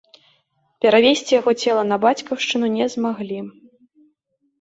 Перавезці яго цела на бацькаўшчыну не змаглі.